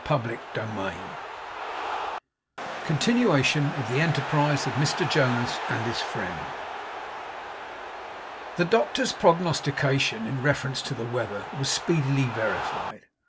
CHAPTER FORTY TWO CONTINUATION OF THE ENTERPRISE OF MR JONAS AND HIS FRIEND The doctor's prognostication in reference to the weather was speedily verified.